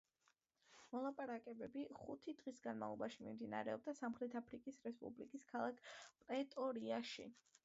მოლაპარაკებები ხუთი დღის განმავლობაში მიმდინარეობდა სამხრეთ აფრიკის რესპუბლიკის ქალაქ პრეტორიაში.